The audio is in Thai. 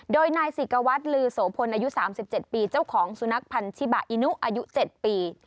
โดยนายศิกวัตรลือโสพลอายุ๓๗ปีเจ้าของสุนัขพันธิบาอินุอายุ๗ปี